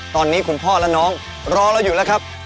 ตอนนี้คุณพ่อและน้องรอเราอยู่แล้วครับ